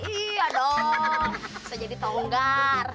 iya dong bisa jadi tonggar